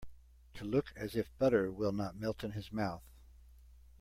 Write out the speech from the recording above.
To look as if butter will not melt in his mouth.